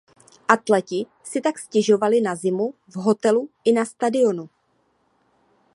Atleti si tak stěžovali na zimu v hotelu i na stadionu.